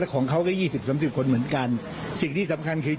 ของเขาก็ยี่สิบสามสิบคนเหมือนกันสิ่งที่สำคัญคือ